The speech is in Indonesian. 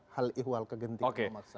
hal iwal kegentingan memaksa